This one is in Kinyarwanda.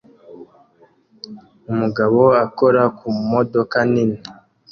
Umugabo akora ku modoka nini